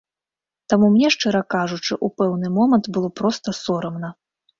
Таму мне, шчыра кажучы, у пэўны момант было проста сорамна.